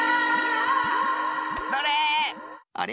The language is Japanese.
それ！